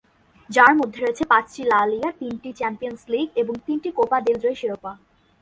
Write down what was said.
যার মধ্যে রয়েছে পাঁচটি লা লিগা, তিনটি চ্যাম্পিয়নস লীগ এবং তিনটি কোপা দেল রে শিরোপা।